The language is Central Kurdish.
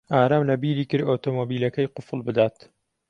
ئارام لەبیری کرد ئۆتۆمۆبیلەکەی قوفڵ بدات.